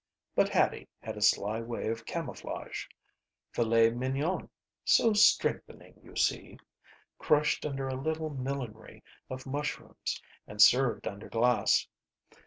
But Hattie had a sly way of camouflage. Filet mignon (so strengthening, you see) crushed under a little millinery of mushrooms and served under glass.